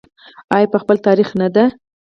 آیا په خپل تاریخ نه ده؟